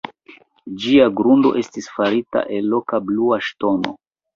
Ĝia grundo estis farita el loka blua ŝtono.